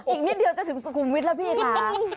อีกนิดเดียวจะถึงสุขุมวิทย์แล้วพี่ค่ะ